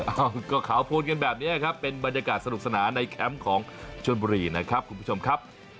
เอ้าก็ขาวโพนกันแบบนี้ครับเป็นบรรยากาศสนุกสนานในแคมป์ของชนบุรีนะครับคุณผู้ชมครับ